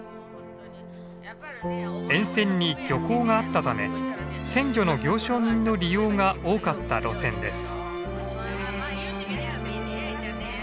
沿線に漁港があったため鮮魚の行商人の利用が多かった路線です。